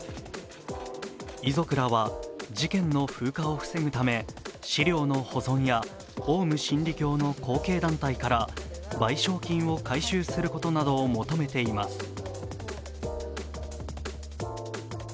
遺族らは事件の風化を防ぐため、資料の保存や、オウム真理教の後継団体から賠償金を回収することなどを求めています。